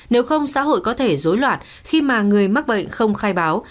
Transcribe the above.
nếu không xã hội có thể dối loạn khi mà người mắc bệnh không khai báo